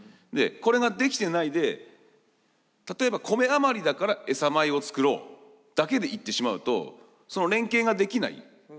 でこれができてないで例えば米余りだからエサ米を作ろうだけでいってしまうとその連携ができない。